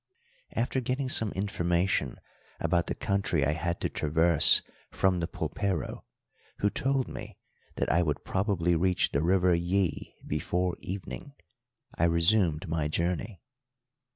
After getting some information about the country I had to traverse from the pulpero, who told me that I would probably reach the River Yí before evening, I resumed my journey.